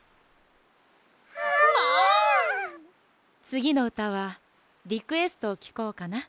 つぎのうたはリクエストをきこうかな。